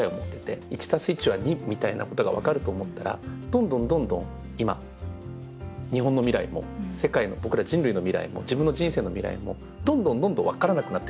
「１足す１は２」みたいなことがわかると思ったらどんどんどんどん今日本の未来も世界の僕ら人類の未来も自分の人生の未来もどんどんどんどんわからなくなってると思うんですよ。